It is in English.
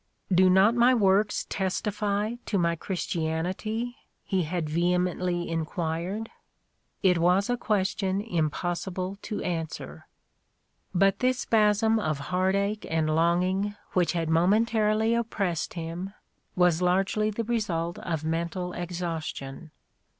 Do not my works testify to my Christianity?" he A DAY WITH ROSSETTl. had vehemently enquired. It was a question impossible to answer. But this apasm of heartache and longing which had momentarily oppressed him, was largely the result of mental exhaustion.